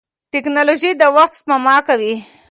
ټکنالوژي د وخت سپما کوي.